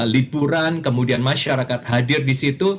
liburan kemudian masyarakat hadir di situ